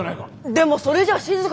でもそれじゃしずかが。